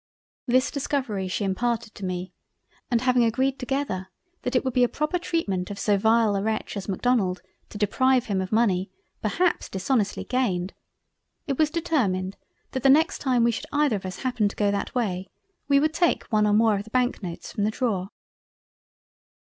This discovery she imparted to me; and having agreed together that it would be a proper treatment of so vile a Wretch as Macdonald to deprive him of money, perhaps dishonestly gained, it was determined that the next time we should either of us happen to go that way, we would take one or more of the Bank notes from the drawer.